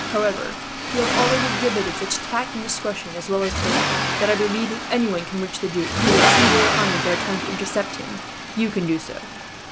However, you have already exhibited such tact and discretion, as well as bravery, that I believe if anyone can reach the duke, through the two royal armies that are trying to intercept him, you can do so.